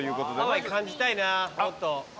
ハワイ感じたいなもっと。